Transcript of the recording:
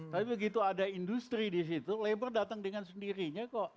tapi begitu ada industri di situ labor datang dengan sendirinya kok